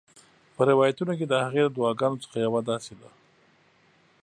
په روایتونو کې د هغې د دعاګانو څخه یوه داسي ده: